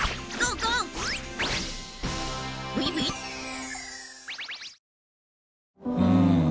うん。